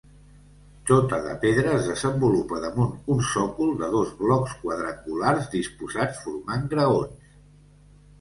Tota de pedra es desenvolupa damunt un sòcol de dos blocs quadrangulars disposats formant graons.